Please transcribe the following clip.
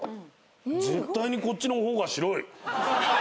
絶対にこっちの方が白い。